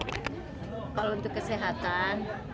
kalau untuk kesehatan